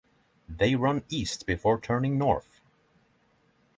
They run east before turning north.